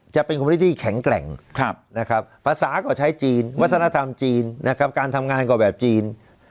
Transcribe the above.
จะเป็นคนที่แข็งแกร่งนะครับภาษาก็ใช้จีนวัฒนธรรมจีนนะครับการทำงานก็แบบจีน